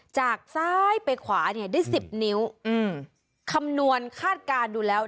จากซ้ายไปขวาเนี่ยได้สิบนิ้วอืมคำนวณคาดการณ์ดูแล้ว